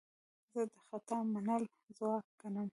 زه د خطا منل ځواک ګڼم.